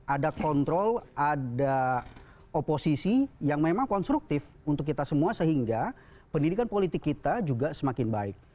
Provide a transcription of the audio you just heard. ada kontrol ada oposisi yang memang konstruktif untuk kita semua sehingga pendidikan politik kita juga semakin baik